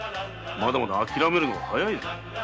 まだ諦めるのは早いぞ。